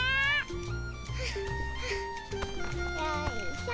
よいしょ。